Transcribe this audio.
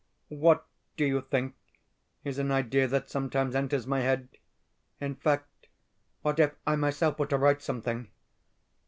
What, do you think, is an idea that sometimes enters my head? In fact, what if I myself were to write something?